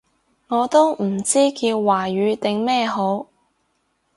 我都唔知叫華語定咩好